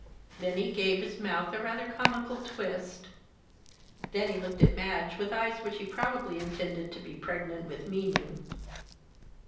Then he gave his mouth a rather comical twist; then he looked at Madge with eyes which he probably intended to be pregnant with meaning.